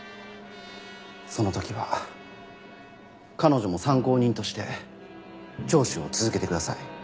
その時は彼女も参考人として聴取を続けてください。